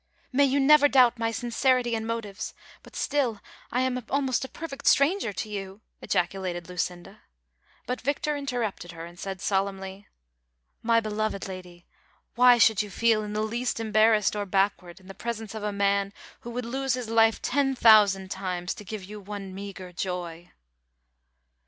"May you never doubt my sincerity and motives, but still I am almost a perfect stranger to you," ejaculated Lucinda ; but Victor interrupted her, and said solemnly : "My beloved lady, why should you feel in the least embarrassed or backward in the presence of a man Avho would lose his life ten thousand times to give you one meagre joy